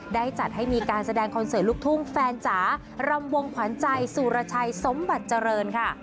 ได้จัดให้มีการแสดงคอนเสิร์ตลูกทุ่งแฟนจ๋ารำวงขวัญใจสุรชัยสมบัติเจริญค่ะ